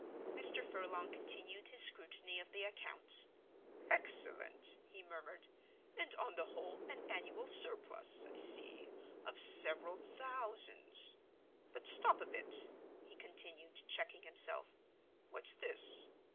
Mr. Furlong continued his scrutiny of the accounts. "Excellent," he murmured, "and on the whole an annual surplus, I see, of several thousands. But stop a bit," he continued, checking himself; "what's this?